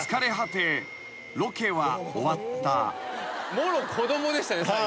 もろ子供でしたね最後。